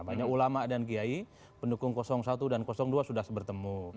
banyak ulama dan kiai pendukung satu dan dua sudah bertemu